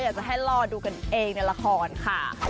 อยากจะให้รอดูกันเองในละครค่ะ